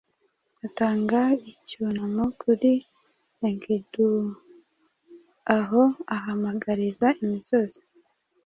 atanga icyunamo kuri Enkiduaho ahamagarira imisozi